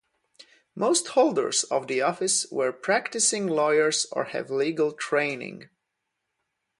Most holders of the office were practicing lawyers or have legal training.